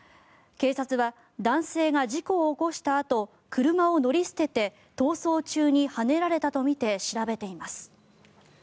警察は男性が事故を起こしたあと車を乗り捨てて逃走中にはねられたとみて調べています。